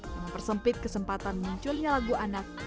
yang mempersempit kesempatan untuk mencari lagu lagu anak anak